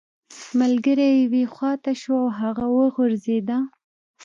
ملګری یې یوې خوا ته شو او هغه وغورځیده